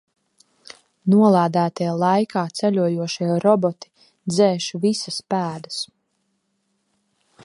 Nolādētie laikā ceļojošie roboti dzēš visas pēdas.